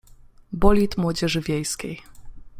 Bolid Młodzieży Wiejskiej.